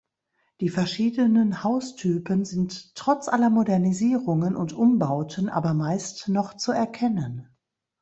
Die verschiedenen Haustypen sind trotz aller Modernisierungen und Umbauten aber meist noch zu erkennen.